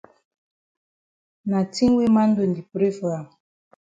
Na tin way man don di pray for am.